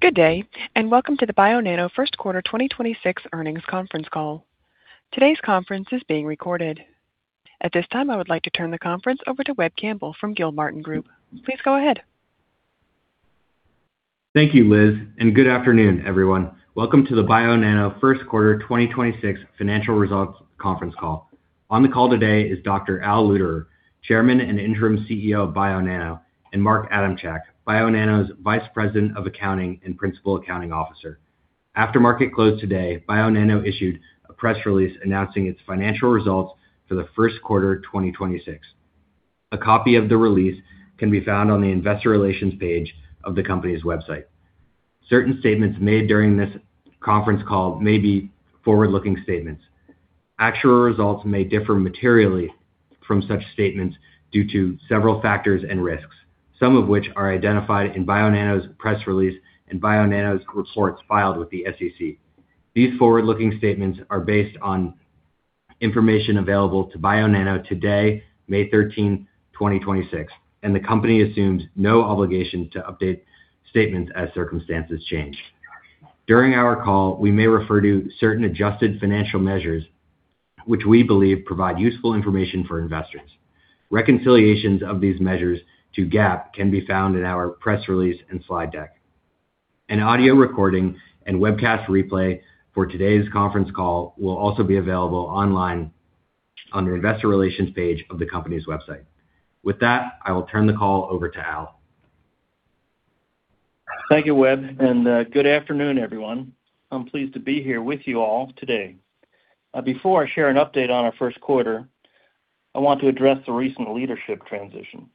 Good day and welcome to the Bionano First Quarter 2026 Earnings Conference Call. Today's conference is being recorded. At this time, I would like to turn the conference over to Webb Campbell from Gilmartin Group. Please go ahead. Thank you, Liz. Good afternoon, everyone. Welcome to the Bionano First Quarter 2026 financial results conference call. On the call today is Dr. Al Luderer, Chairman and Interim CEO of Bionano, and Mark Adamchak, Bionano's Vice President of Accounting and Principal Accounting Officer. After market close today, Bionano issued a press release announcing its financial results for the first quarter 2026. A copy of the release can be found on the investor relations page of the company's website. Certain statements made during this conference call may be forward-looking statements. Actual results may differ materially from such statements due to several factors and risks, some of which are identified in Bionano's press release and Bionano's reports filed with the SEC. These forward-looking statements are based on information available to Bionano today, May 13, 2026. The company assumes no obligation to update statements as circumstances change. During our call, we may refer to certain adjusted financial measures which we believe provide useful information for investors. Reconciliations of these measures to GAAP can be found in our press release and slide deck. An audio recording and webcast replay for today's conference call will also be available online on the investor relations page of the company's website. With that, I will turn the call over to Al. Thank you, Webb. Good afternoon, everyone. I'm pleased to be here with you all today. Before I share an update on our first quarter, I want to address the recent leadership transition.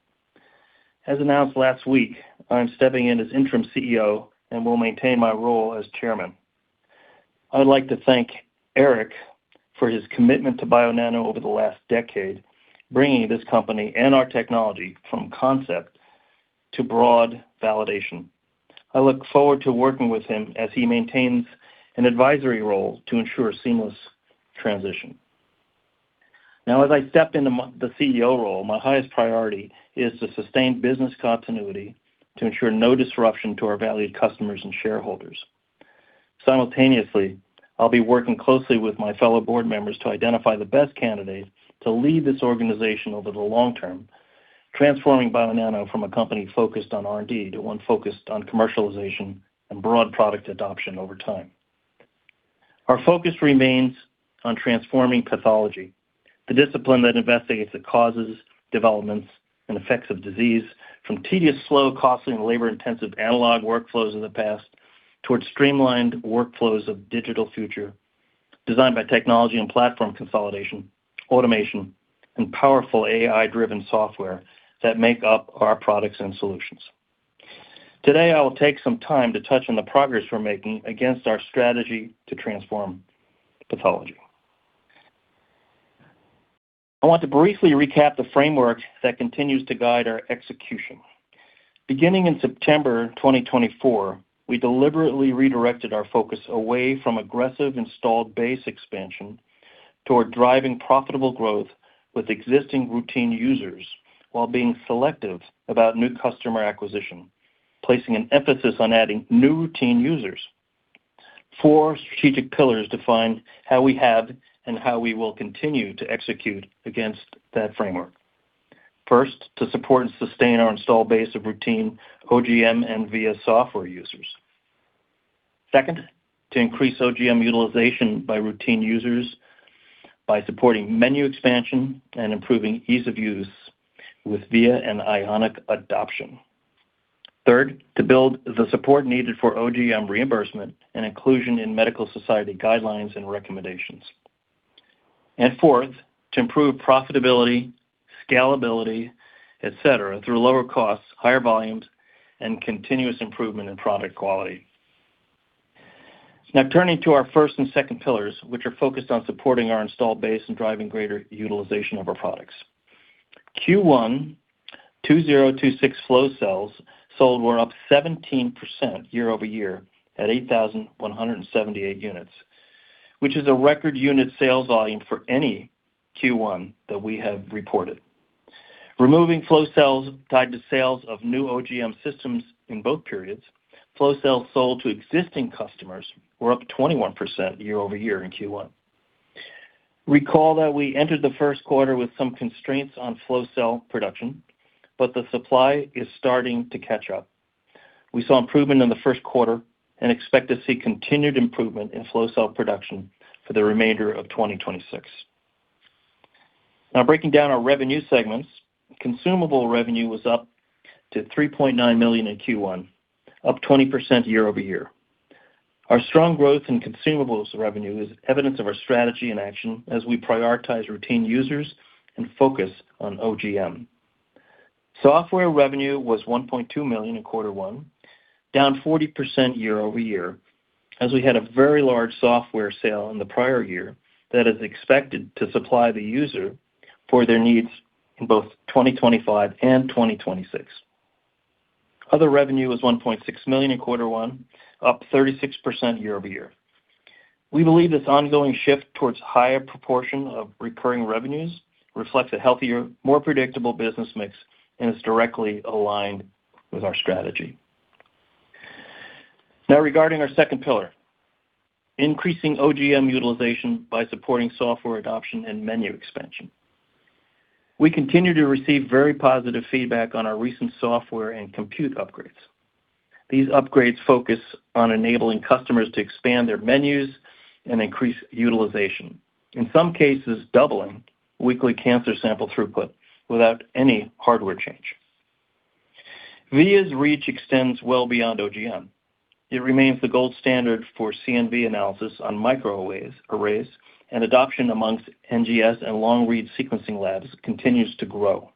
As announced last week, I'm stepping in as Interim CEO and will maintain my role as Chairman. I would like to thank Eric for his commitment to Bionano over the last decade, bringing this company and our technology from concept to broad validation. I look forward to working with him as he maintains an advisory role to ensure seamless transition. As I step into the CEO role, my highest priority is to sustain business continuity, to ensure no disruption to our valued customers and shareholders. Simultaneously, I'll be working closely with my fellow board members to identify the best candidate to lead this organization over the long term, transforming Bionano from a company focused on R&D to one focused on commercialization and broad product adoption over time. Our focus remains on transforming pathology, the discipline that investigates the causes, developments, and effects of disease from tedious, slow, costly, and labor-intensive analog workflows of the past towards streamlined workflows of digital future designed by technology and platform consolidation, automation, and powerful AI-driven software that make up our products and solutions. Today, I will take some time to touch on the progress we're making against our strategy to transform pathology. I want to briefly recap the framework that continues to guide our execution. Beginning in September 2024, we deliberately redirected our focus away from aggressive installed base expansion toward driving profitable growth with existing routine users while being selective about new customer acquisition, placing an emphasis on adding new routine users. Four strategic pillars define how we have and how we will continue to execute against that framework. First, to support and sustain our install base of routine OGM and VIA software users. Second, to increase OGM utilization by routine users by supporting menu expansion and improving ease of use with VIA and Ionic adoption. Third, to build the support needed for OGM reimbursement and inclusion in medical society guidelines and recommendations. Fourth, to improve profitability, scalability, et cetera, through lower costs, higher volumes, and continuous improvement in product quality. Turning to our first and second pillars, which are focused on supporting our installed base and driving greater utilization of our products. Q1 2026 flow cells sold were up 17% year-over-year at 8,178 units, which is a record unit sales volume for any Q1 that we have reported. Removing flow cells tied to sales of new OGM systems in both periods, flow cells sold to existing customers were up 21% year-over-year in Q1. Recall that we entered the first quarter with some constraints on flow cell production but the supply is starting to catch up. We saw improvement in the first quarter and expect to see continued improvement in flow cell production for the remainder of 2026. Breaking down our revenue segments, consumable revenue was up to $3.9 million in Q1, up 20% year-over-year. Our strong growth in consumables revenue is evidence of our strategy in action as we prioritize routine users and focus on OGM. Software revenue was $1.2 million in quarter one, down 40% year-over-year, as we had a very large software sale in the prior year that is expected to supply the user for their needs in both 2025 and 2026. Other revenue was $1.6 million in quarter one, up 36% year-over-year. We believe this ongoing shift towards higher proportion of recurring revenues reflects a healthier, more predictable business mix, and is directly aligned with our strategy. Regarding our second pillar, increasing OGM utilization by supporting software adoption and menu expansion. We continue to receive very positive feedback on our recent software and compute upgrades. These upgrades focus on enabling customers to expand their menus and increase utilization, in some cases doubling weekly cancer sample throughput without any hardware change. VIA's reach extends well beyond OGM. It remains the gold standard for CNV analysis on microarrays and adoption amongst NGS and long-read sequencing labs continues to grow.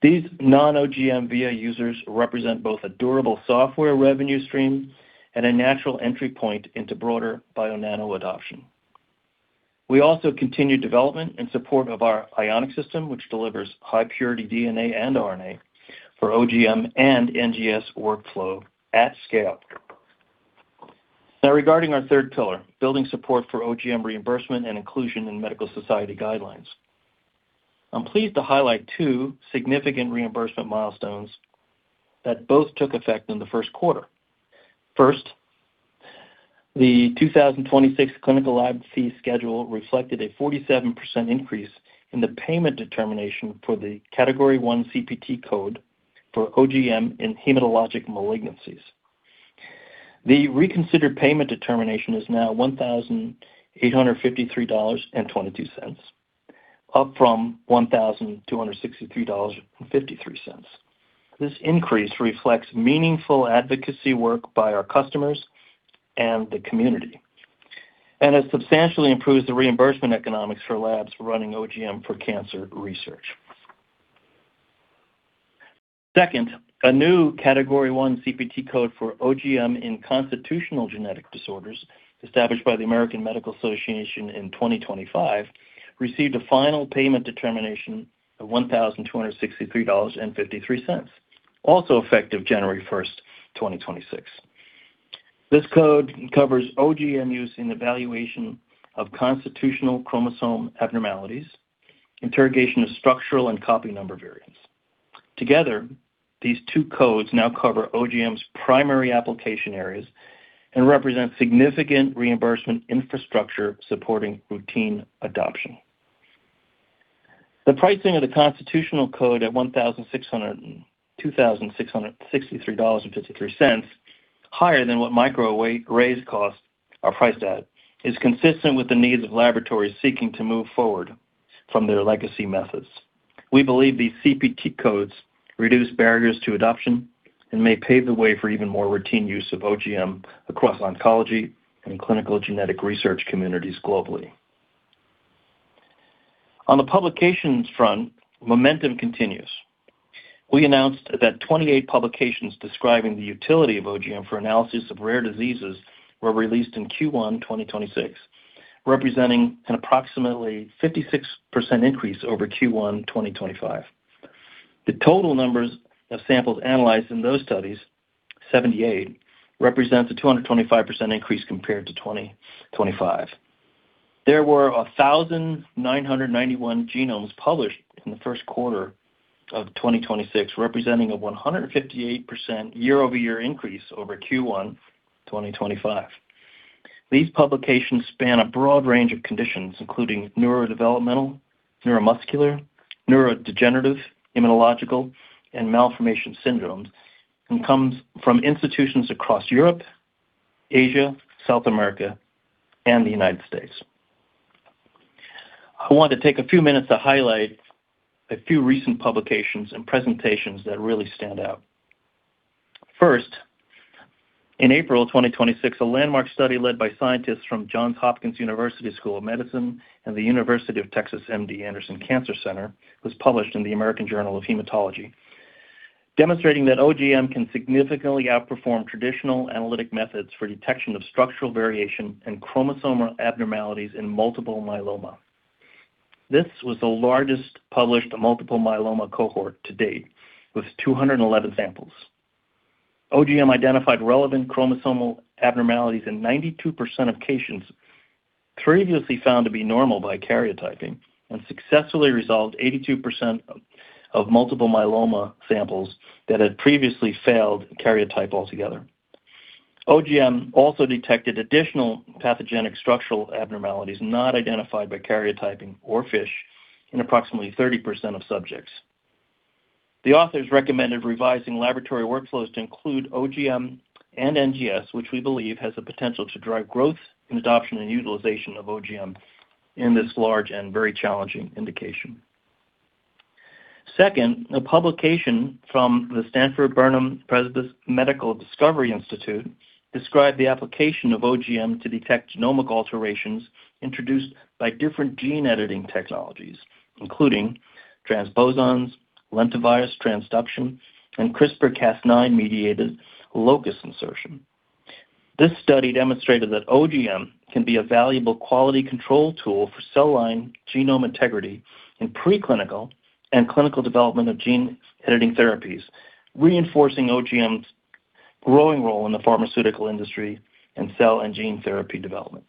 These non-OGM VIA users represent both a durable software revenue stream and a natural entry point into broader Bionano adoption. We also continue development and support of our Ionic system, which delivers high-purity DNA and RNA for OGM and NGS workflow at scale. Now regarding our third pillar, building support for OGM reimbursement and inclusion in medical society guidelines. I'm pleased to highlight two significant reimbursement milestones that both took effect in the first quarter. First, the 2026 clinical lab fee schedule reflected a 47% increase in the payment determination for the Category I CPT code for OGM in hematologic malignancies. The reconsidered payment determination is now $1,853.22, up from $1,263.53. This increase reflects meaningful advocacy work by our customers and the community, and it substantially improves the reimbursement economics for labs running OGM for cancer research. Second, a new Category I CPT code for OGM in constitutional genetic disorders, established by the American Medical Association in 2025, received a final payment determination of $1,263.53, also effective January 1st, 2026. This code covers OGM use in evaluation of constitutional chromosome abnormalities, interrogation of structural and copy number variants. Together, these two codes now cover OGM's primary application areas and represent significant reimbursement infrastructure supporting routine adoption. The pricing of the constitutional code at $1,600 and $2,663.53, higher than what microarray arrays cost are priced at, is consistent with the needs of laboratories seeking to move forward from their legacy methods. We believe these CPT codes reduce barriers to adoption and may pave the way for even more routine use of OGM across oncology and clinical genetic research communities globally. On the publications front, momentum continues. We announced that 28 publications describing the utility of OGM for analysis of rare diseases were released in Q1 2026, representing an approximately 56% increase over Q1 2025. The total numbers of samples analyzed in those studies, 78, represents a 225% increase compared to 2025. There were 1,991 genomes published in the first quarter of 2026, representing a 158% year-over-year increase over Q1, 2025. These publications span a broad range of conditions, including neurodevelopmental, neuromuscular, neurodegenerative, immunological, and malformation syndromes, and comes from institutions across Europe, Asia, South America, and the U.S. I want to take a few minutes to highlight a few recent publications and presentations that really stand out. First, in April 2026, a landmark study led by scientists from Johns Hopkins University School of Medicine and the University of Texas MD Anderson Cancer Center was published in the American Journal of Hematology, demonstrating that OGM can significantly outperform traditional analytic methods for detection of structural variation and chromosomal abnormalities in multiple myeloma. This was the largest published multiple myeloma cohort to date with 211 samples. OGM identified relevant chromosomal abnormalities in 92% of patients previously found to be normal by karyotyping and successfully resolved 82% of multiple myeloma samples that had previously failed karyotype altogether. OGM also detected additional pathogenic structural abnormalities not identified by karyotyping or FISH in approximately 30% of subjects. The authors recommended revising laboratory workflows to include OGM and NGS, which we believe has the potential to drive growth in adoption and utilization of OGM in this large and very challenging indication. Second, a publication from the Sanford Burnham Prebys Medical Discovery Institute described the application of OGM to detect genomic alterations introduced by different gene editing technologies, including transposons, lentivirus transduction, and CRISPR/Cas9-mediated locus insertion. This study demonstrated that OGM can be a valuable quality control tool for cell line genome integrity in preclinical and clinical development of gene editing therapies, reinforcing OGM's growing role in the pharmaceutical industry and cell and gene therapy development.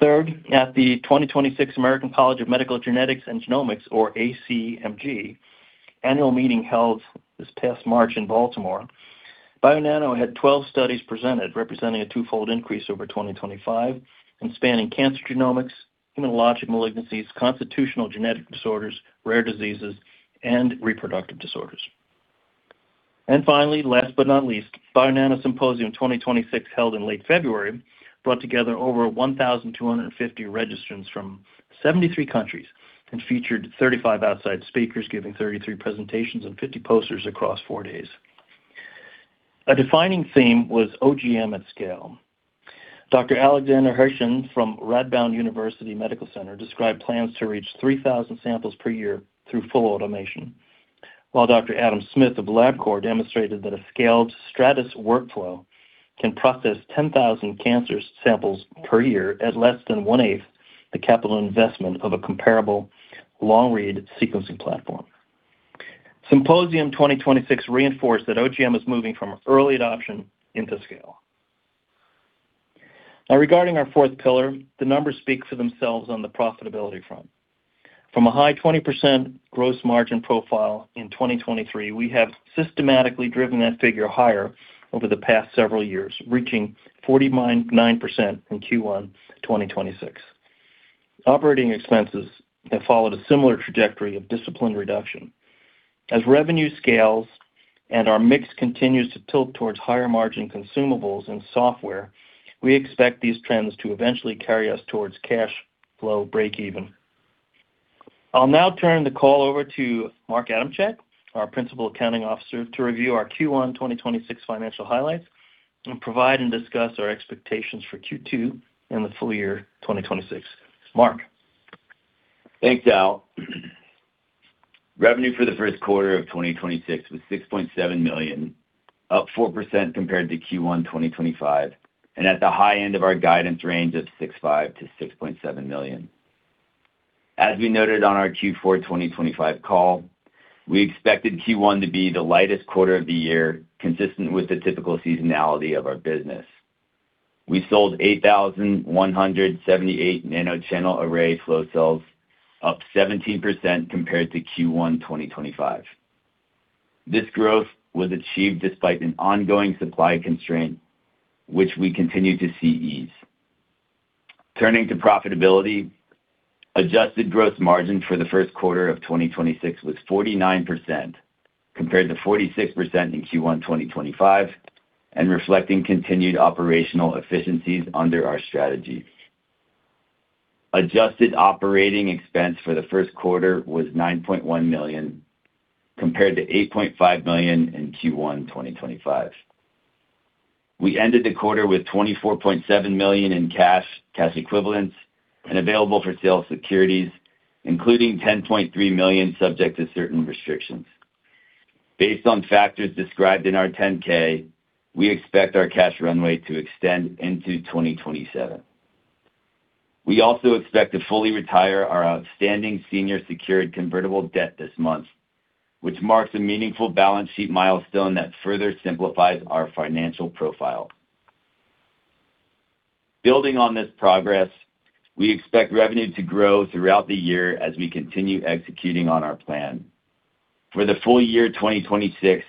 Third, at the 2026 American College of Medical Genetics and Genomics, or ACMG, annual meeting held this past March in Baltimore, Bionano had 12 studies presented, representing a twofold increase over 2025 and spanning cancer genomics, hematologic malignancies, constitutional genetic disorders, rare diseases, and reproductive disorders. Finally, last but not least, Bionano Symposium 2026, held in late February, brought together over 1,250 registrants from 73 countries and featured 35 outside speakers giving 33 presentations and 50 posters across four days. A defining theme was OGM at scale. Dr. Alexander Hoischen from Radboud University Medical Center described plans to reach 3,000 samples per year through full automation, while Dr. Adam Smith of Labcorp demonstrated that a scaled Stratys workflow can process 10,000 cancer samples per year at less than 1/8 he capital investment of a comparable long-read sequencing platform. Symposium 2026 reinforced that OGM is moving from early adoption into scale. Now, regarding our fourth pillar, the numbers speak for themselves on the profitability front. From a high 20% gross margin profile in 2023, we have systematically driven that figure higher over the past several years, reaching 49.9% in Q1 2026. Operating expenses have followed a similar trajectory of disciplined reduction. As revenue scales and our mix continues to tilt towards higher margin consumables and software, we expect these trends to eventually carry us towards cash flow break even. I'll now turn the call over to Mark Adamchak, our Principal Accounting Officer, to review our Q1 2026 financial highlights and provide and discuss our expectations for Q2 and the full-year 2026. Mark? Thanks, Al. Revenue for the first quarter of 2026 was $6.7 million, up 4% compared to Q1 2025, and at the high end of our guidance range of $6.5 million to $6.7 million. As we noted on our Q4 2025 call, we expected Q1 to be the lightest quarter of the year, consistent with the typical seasonality of our business. We sold 8,178 nanochannel array flow cells, up 17% compared to Q1 2025. This growth was achieved despite an ongoing supply constraint, which we continue to see ease. Turning to profitability, adjusted gross margin for the first quarter of 2026 was 49% compared to 46% in Q1 202, and reflecting continued operational efficiencies under our strategy. Adjusted operating expense for the first quarter was $9.1 million, compared to $8.5 million in Q1 2025. We ended the quarter with $24.7 million in cash, cash equivalents, and available for sale securities, including $10.3 million, subject to certain restrictions. Based on factors described in our 10-K, we expect our cash runway to extend into 2027. We also expect to fully retire our outstanding senior secured convertible debt this month, which marks a meaningful balance sheet milestone that further simplifies our financial profile. Building on this progress, we expect revenue to grow throughout the year as we continue executing on our plan. For the full-year 2026,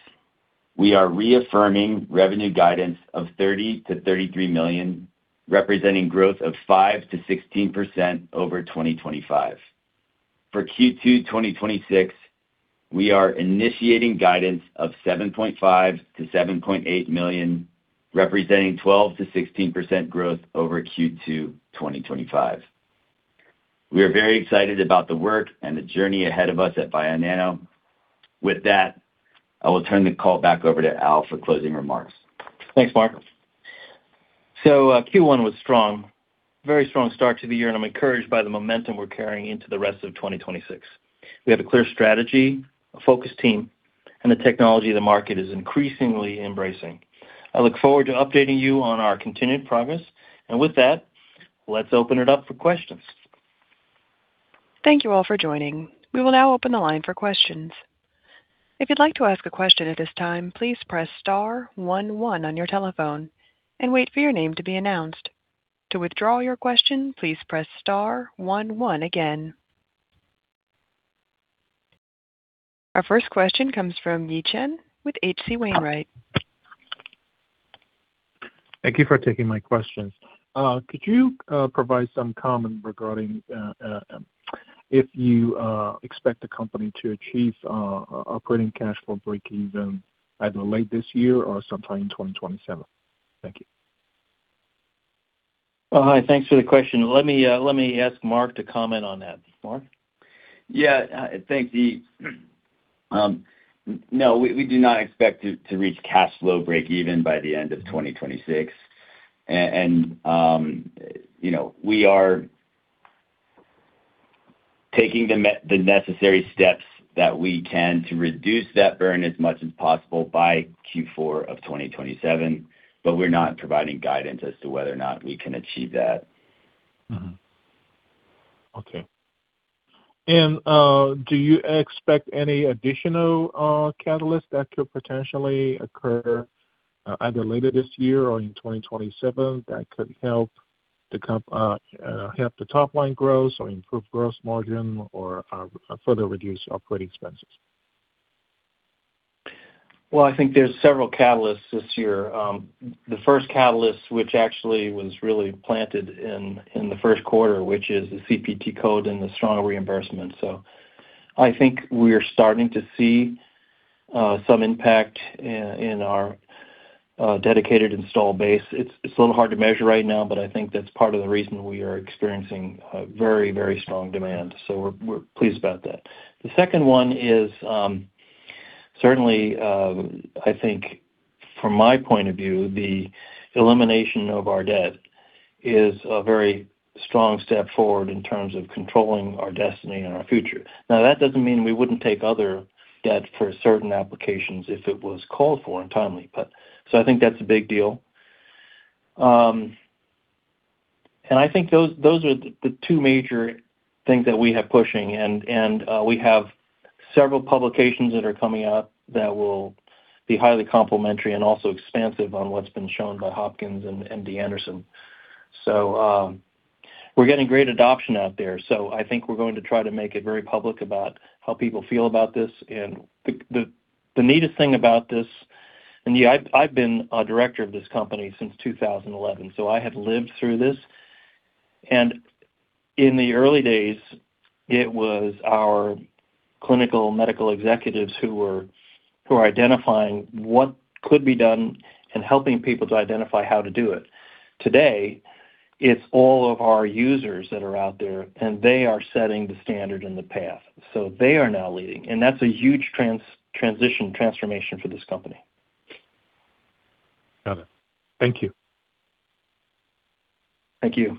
we are reaffirming revenue guidance of $30 million to $33 million, representing growth of 5% to 16% over 2025. For Q2 2026, we are initiating guidance of $7.5 million to $7.8 million, representing 12% to 16% growth over Q2 2025. We are very excited about the work and the journey ahead of us at Bionano. With that, I will turn the call back over to Al for closing remarks. Thanks, Mark. Q1 was strong, a very strong start to the year, and I'm encouraged by the momentum we're carrying into the rest of 2026. We have a clear strategy, a focused team, and the technology the market is increasingly embracing. I look forward to updating you on our continued progress. With that, let's open it up for questions. Thank you all for joining. We will now open the line for questions. If you'd like to ask a question at this time, please press star one one on your telephone, and wait for your name to be announced. To withdraw your question, please press star one one again. Our first question comes from Yi Chen with H.C. Wainwright. Thank you for taking my questions. Could you provide some comment regarding if you expect the company to achieve operating cash flow break even either late this year or sometime in 2027? Thank you. Oh, hi. Thanks for the question. Let me ask Mark to comment on that. Mark? Yeah, thanks, Yi. No, we do not expect to reach cash flow break even by the end of 2026. You know, we are taking the necessary steps that we can to reduce that burn as much as possible by Q4 of 2027, but we're not providing guidance as to whether or not we can achieve that. Okay. Do you expect any additional catalyst that could potentially occur either later this year or in 2027 that could help the top line growth or improve gross margin or further reduce operating expenses? I think there's several catalysts this year. The first catalyst, which actually was really planted in the first quarter, which is the CPT code and the strong reimbursement. I think we are starting to see some impact in our dedicated install base. It's a little hard to measure right now, but I think that's part of the reason we are experiencing a very strong demand. We're pleased about that. The second one is certainly, I think from my point of view, the elimination of our debt is a very strong step forward in terms of controlling our destiny and our future. That doesn't mean we wouldn't take other debt for certain applications if it was called for and timely. I think that's a big deal. I think those are the two major things that we have pushing and we have several publications that are coming out that will be highly complimentary and also expansive on what's been shown by Johns Hopkins and MD Anderson Cancer Center. We're getting great adoption out there. I think we're going to try to make it very public about how people feel about this. The neatest thing about this, and yeah, I've been a director of this company since 2011, so I have lived through this. In the early days, it was our clinical medical executives who were identifying what could be done, and helping people to identify how to do it. Today, it's all of our users that are out there, and they are setting the standard and the path. They are now leading, and that's a huge transformation for this company. Got it. Thank you. Thank you.